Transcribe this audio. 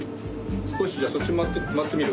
すこしじゃあそっちまわってみる？